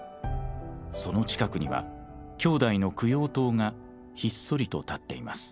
その近くには兄弟の供養塔がひっそりと立っています。